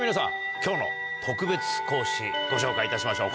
今日の特別講師ご紹介いたしましょう。